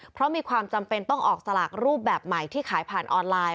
เพราะมีความจำเป็นต้องออกสลากรูปแบบใหม่ที่ขายผ่านออนไลน์